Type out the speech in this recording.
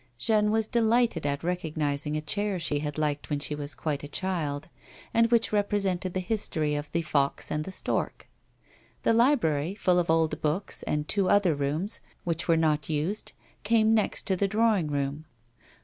Jeanne was delighted at recognising a chair she had liked when she was quite a child, and which represented iihe history of the Fox and the Stork. The library, full of old books, and two other rooms, which were not used, came next to the drawing room.